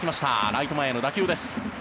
ライト前への打球です。